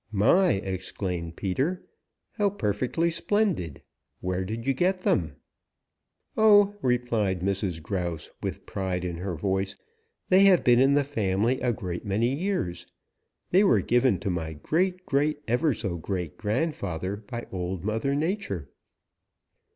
"My!" exclaimed Peter. "How perfectly splendid! Where did you get them?" "Oh," replied Mrs. Grouse with pride in her voice, "they have been in the family a great many years. They were given to my great great ever so great grandfather by Old Mother Nature."